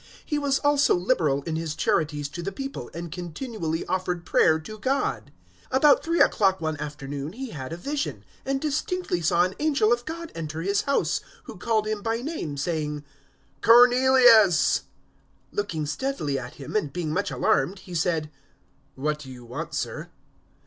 He was also liberal in his charities to the people, and continually offered prayer to God. 010:003 About three o'clock one afternoon he had a vision, and distinctly saw an angel of God enter his house, who called him by name, saying, "Cornelius!" 010:004 Looking steadily at him, and being much alarmed, he said, "What do you want, Sir?"